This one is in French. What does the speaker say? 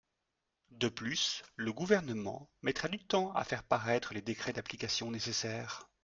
De plus, le Gouvernement mettra du temps à faire paraître les décrets d’application nécessaires.